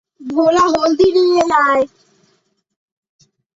ভোলা, হলদি নিয়ে আয়।